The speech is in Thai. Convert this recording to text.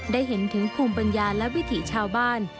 ได้เห็นถึงภูมิปัญญาและวิถีชาวบ้าน